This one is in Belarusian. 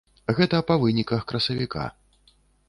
Гэта па выніках красавіка.